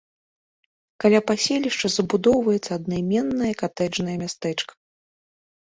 Каля паселішча забудоўваецца аднайменнае катэджнае мястэчка.